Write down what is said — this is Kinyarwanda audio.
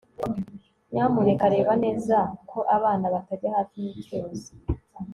Nyamuneka reba neza ko abana batajya hafi yicyuzi